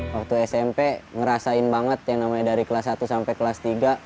waktu smp ngerasain banget yang namanya dari kelas satu sampai kelas tiga